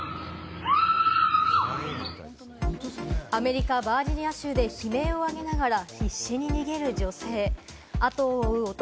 アメリカ・バージニア州で悲鳴を上げながら必死に逃げる女性。